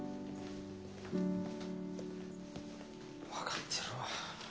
分かってるわ。